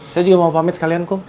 saya juga mau pamit sekalian kok